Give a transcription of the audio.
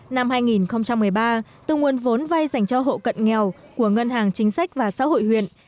năm hai nghìn một mươi ba từ nguồn vốn vay dành cho hộ cận nghèo của ngân hàng chính sách và xã hội huyện